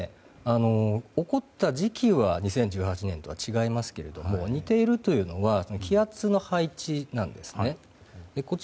起こった時期は２０１８年とは違いますが似ているというのは気圧の配置なんですね。